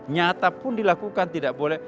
nyata pun dilakukan tidak boleh